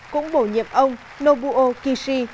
cũng bổ nhiệm ông nobuo kishi